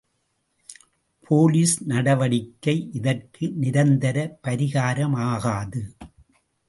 Police நடவடிக்கை இதற்கு நிரந்தர பரிகாரமாகாது.